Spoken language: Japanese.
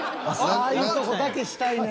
ああいうとこだけしたいねん。